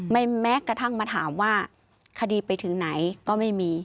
แม้กระทั่งมาถามว่าคดีไปถึงไหนก็ไม่มี